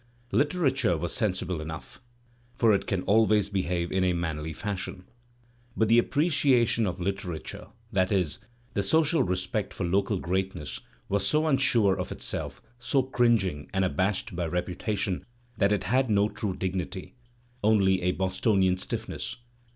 Literature was sensible enough, for it can always behave in a manly fashion; but the appreciation of literature, 278 Digitized by Google HOWELLS 279 that is, the social respect for local greatness^ was so unsure of itself, so cringing and abashed by reputation, that it had no true dignity, only a Bostonian stiflfness.